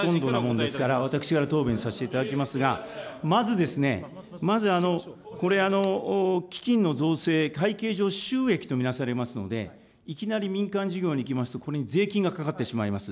私から答弁させていただきますが、まずですね、まず、基金の造成、会計上、収益と見なされますので、いきなり民間事業に行きますと、これに税金がかかってしまいます。